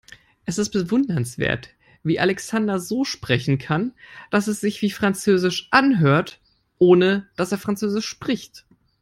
Es ist bewundernswert, wie Alexander so sprechen kann, dass es sich wie französisch anhört, ohne dass er französisch spricht.